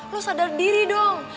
lo sadar diri dong